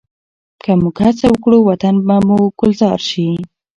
که موږ هڅه وکړو، وطن به مو ګلزار شي.